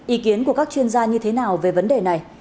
ý kiến của các chuyên gia như thế nào về vấn đề này